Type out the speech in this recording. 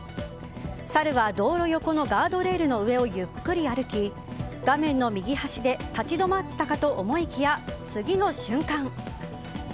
サルは道路横のガードレールの上をゆっくり歩き画面の右端で立ち止まったかと思いきや次の瞬間